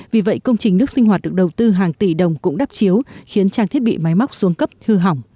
vì vậy công trình nước sinh hoạt được đầu tư hàng tỷ đồng cũng đắp chiếu khiến trang thiết bị máy móc xuống cấp hư hỏng